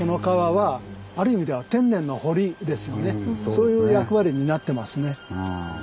そういう役割担ってますね。